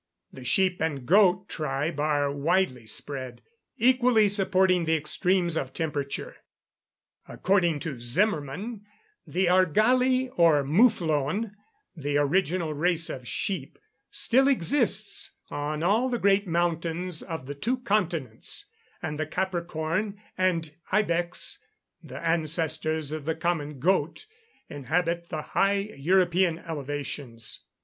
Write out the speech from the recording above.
The sheep and goat tribe are widely spread, equally supporting the extremes of temperature. According to Zimmerman, the Argali or Mouflon, the original race of sheep, still exists on all the great mountains of the two continents; and the Capricorn and Ibex, the ancestors of the common goat inhabit the high European elevations.